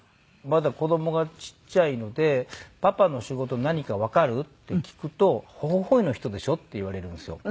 まだ子どもがちっちゃいので「パパの仕事何かわかる？」って聞くと「ホホホイの人でしょ？」って言われるんですよ。